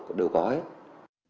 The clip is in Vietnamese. trang dự bomber